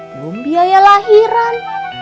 belum biaya lahiran